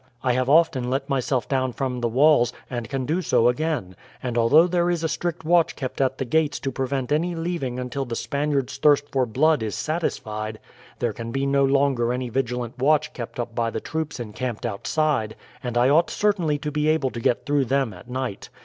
I have often let myself down from the walls, and can do so again; and although there is a strict watch kept at the gates to prevent any leaving until the Spaniards' thirst for blood is satisfied, there can be no longer any vigilant watch kept up by the troops encamped outside, and I ought certainly to be able to get through them at night.